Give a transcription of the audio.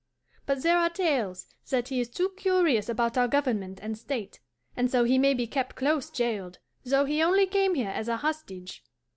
But there are tales that he is too curious about our government and state, and so he may be kept close jailed, though he only came here as a hostage.